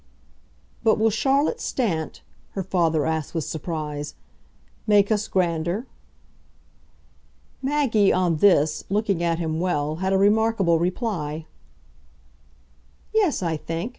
"But will Charlotte Stant," her father asked with surprise, "make us grander?" Maggie, on this, looking at him well, had a remarkable reply. "Yes, I think.